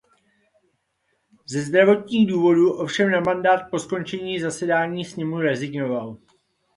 Ze zdravotních důvodů ovšem na mandát po skončení zasedání sněmu rezignoval.